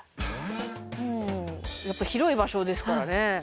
うんやっぱ広い場所ですからね